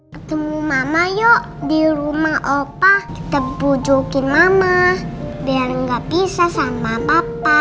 ketemu mama yuk di rumah opah kita pujukin mama biar nggak bisa sama papa